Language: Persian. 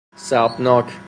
صعبناک